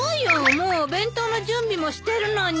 もうお弁当の準備もしてるのに。